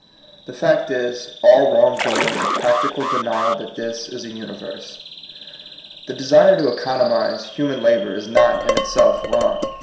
The fact is, all wrong doing is a practical denial that this is a universe. The desire to economize human labor is not in itself wrong.